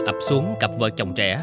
ấp xuống cặp vợ chồng trẻ